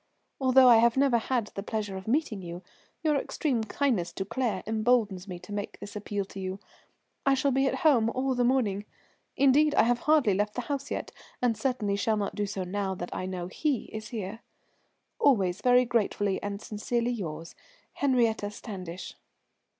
Although I have never had the pleasure of meeting you, your extreme kindness to Claire emboldens me to make this appeal to you. I shall be at home all the morning. Indeed, I have hardly left the house yet, and certainly shall not do so now that I know he is here. "Always very gratefully and sincerely yours, "HENRIETTE STANDISH."